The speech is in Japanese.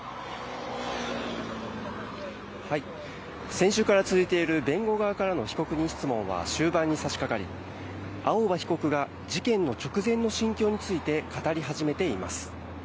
先週から続いている弁護側からの被告人質問は終盤に差しかかり青葉被告が事件の直前の心境について語り始めています。